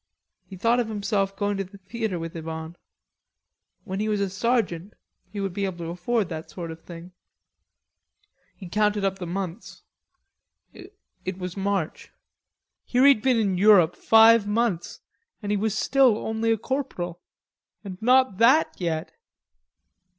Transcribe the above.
He thought of himself going to the theatre with Yvonne. When he was a sergeant he would be able to afford that sort of thing. He counted up the months. It was March. Here he'd been in Europe five months and he was still only a corporal, and not that yet.